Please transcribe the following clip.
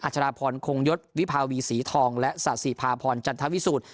อจราพรคงยศวิพาวิศีทองและสสิพาพรจันทวิสุธ